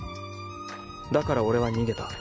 だから俺は逃げた。